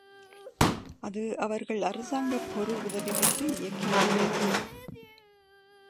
அது அவர்கள் அரசாங்கப் பொருள் உதவி பெற்று இயக்கி வருகிறார்கள்.